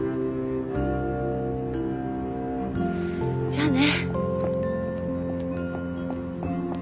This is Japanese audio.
じゃあね。